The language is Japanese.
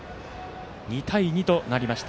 ２対２となりました。